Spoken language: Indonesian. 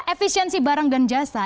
efisiensi barang dan jasa